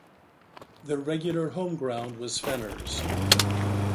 The regular home ground was Fenner's.